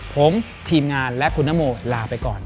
ผมทีมงานและคุณนโมลาไปก่อน